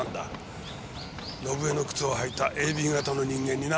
伸枝の靴を履いたＡＢ型の人間にな。